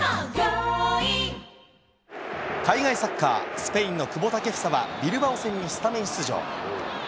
スペインの久保建英はビルバオ戦にスタメン出場。